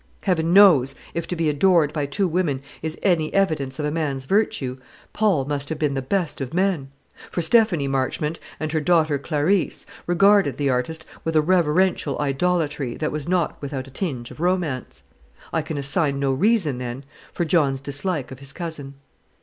Heaven knows, if to be adored by two women is any evidence of a man's virtue, Paul must have been the best of men; for Stephanie Marchmont, and her daughter Clarisse, regarded the artist with a reverential idolatry that was not without a tinge of romance. I can assign no reason, then, for John's dislike of his cousin.